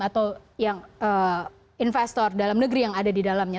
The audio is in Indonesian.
atau yang investor dalam negeri yang ada di dalamnya